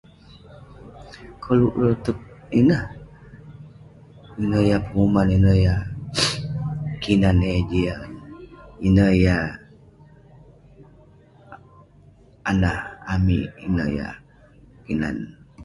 Koluk beroteg ineh. Ineh yah penguman, ineh yah kinan yah jiak, ineh yah anah amik, ineh yah kinan.